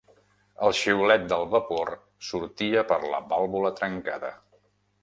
El xiulet del vapor sortia per la vàlvula trencada.